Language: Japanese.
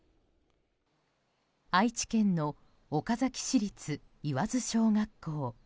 愛知県の岡崎市立岩津小学校。